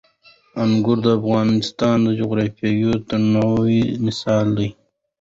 انګور د افغانستان د جغرافیوي تنوع مثال دی.